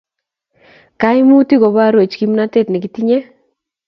kaimutik kobarwech kimnatet nekitinye